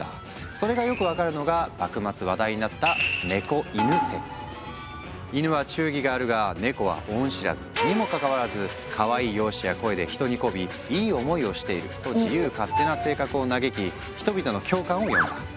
それがよく分かるのが幕末話題になった「イヌは忠義があるがネコは恩知らずにもかかわらずかわいい容姿や声で人にこびいい思いをしている」と自由勝手な性格を嘆き人々の共感を呼んだ。